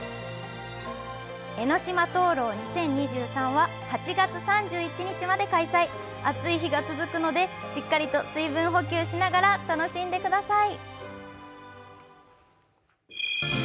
江の島灯籠２０２３は８月３１日まで開催暑い日が続くので、しっかりと水分補給しながら楽しんでください。